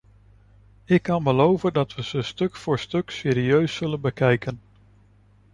Ik kan beloven dat we ze stuk voor stuk serieus zullen bekijken.